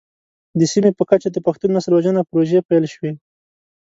د سیمې په کچه د پښتون نسل وژنه پروژې پيل شوې.